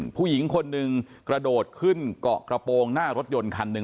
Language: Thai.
ผู้หญิงคนหนึ่งกระโดดขึ้นเกาะกระโปรงหน้ารถยนต์คันหนึ่ง